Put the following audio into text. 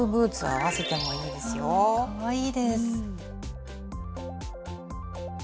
かわいいです。